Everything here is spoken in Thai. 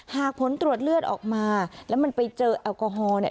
ผลตรวจเลือดออกมาแล้วมันไปเจอแอลกอฮอล์เนี่ย